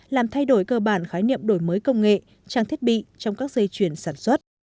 làm thay đổi cơ bản khái niệm đổi mới công nghệ trang thiết bị trong các dây chuyển sản xuất